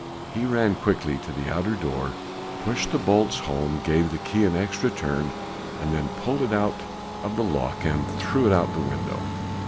He ran quickly to the outer door, pushed the bolts home, gave the key an extra turn and then pulled it out of the lock and threw it out of the window.